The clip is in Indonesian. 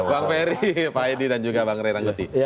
bang ferry pak edi dan juga bang ray rangkuti